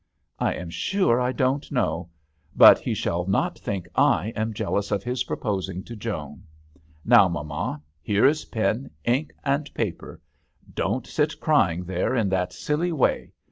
" I am sure I don't know ; but he shall not think I am jealous of his proposing to Joan. Now, mamma, here is pen, ink, and paper. Don't sit crying there in that silly way.